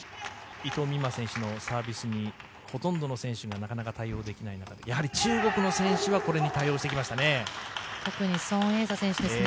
伊藤美誠選手のサービスにほとんどの選手がなかなか対応できない中、中国の選手はこれに対応してきましたね。